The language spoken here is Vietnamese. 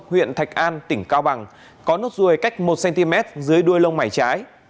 huyện thạch an tỉnh cao bằng có nốt ruồi cách một cm dưới đuôi lông mày trái